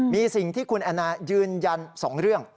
มีสิ่งที่คุณแอนนายืนยัน๒เรื่อง